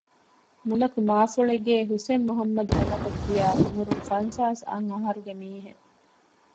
މުލަކު މާފޮޅޭގޭ ޙުސައިން މުޙައްމަދު ނަމަކަށްކިޔާ ޢުމުރުން ފަންސާސް އަށް އަހަރުގެ މީހެއް